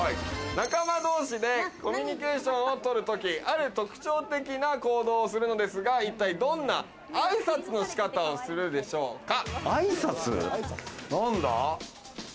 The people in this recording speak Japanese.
仲間同士でコミュニケーションを取る時、ある特徴的な行動をするのですが、一体どんな挨拶の仕方をするでしょうか？